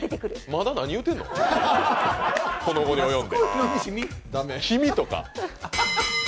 まだ何言うてんの、この期に及んで。